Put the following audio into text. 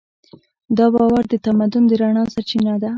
دا باور د تمدن د رڼا سرچینه ده.